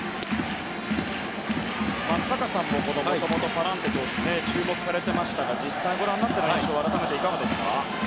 松坂さんももともとパランテ投手に注目されていましたが実際ご覧になっての印象はいかがですか。